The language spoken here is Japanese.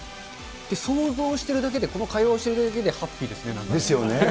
想像してるだけで、この会話しているだけでハッピーですね、なんかね。ですよね。